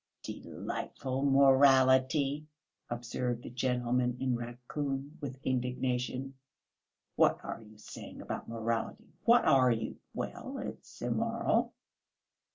"Delightful morality!" observed the gentleman in raccoon, with indignation. "What are you saying about morality? What are you?" "Well, it's immoral!"